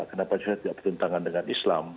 kenapa saya tidak bertentangan dengan islam